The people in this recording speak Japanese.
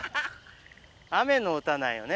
雨の歌なんよね。